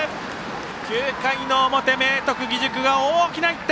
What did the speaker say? ９回の表明徳義塾が大きな１点！